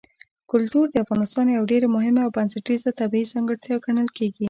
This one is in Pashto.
کلتور د افغانستان یوه ډېره مهمه او بنسټیزه طبیعي ځانګړتیا ګڼل کېږي.